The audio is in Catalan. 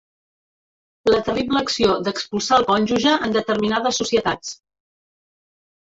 La terrible acció d'expulsar el cònjuge en determinades societats.